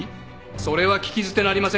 それは聞き捨てなりませんね。